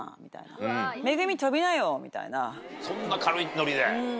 そんな軽いノリで？